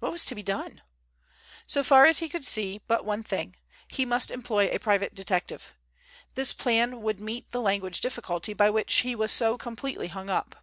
What was to be done? So far as he could see, but one thing. He must employ a private detective. This plan would meet the language difficulty by which he was so completely hung up.